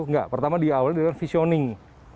enggak pertama di awal ini adalah visioning